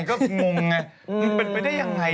มันเป็นไปได้อย่างไร